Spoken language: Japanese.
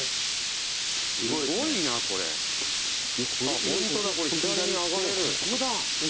あっホントだこれ左に上がれる。